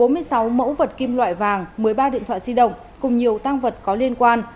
bốn mươi sáu mẫu vật kim loại vàng một mươi ba điện thoại di động cùng nhiều tăng vật có liên quan